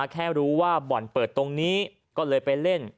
แค่รู้ว่าบ่อนเปิดตรงนี้ก็เลยไปเล่น